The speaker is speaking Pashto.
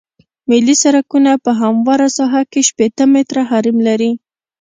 ملي سرکونه په همواره ساحه کې شپیته متره حریم لري